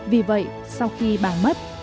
vì vậy sau khi bà mất